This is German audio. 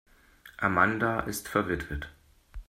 Amanda ist verwitwet.